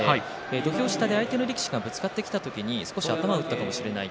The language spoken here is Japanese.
土俵下で相手の力士がぶつかってきた時に頭を打ったかもしれない。